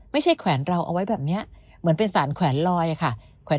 แขวนเราเอาไว้แบบนี้เหมือนเป็นสารแขวนลอยอะค่ะ